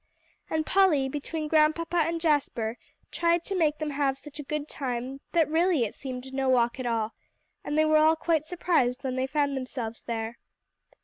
And Polly, between Grandpapa and Jasper, tried to make them have such a good time that really it seemed no walk at all, and they were all quite surprised when they found themselves there.